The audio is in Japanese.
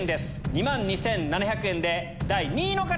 ２万２７００円で第２位の方！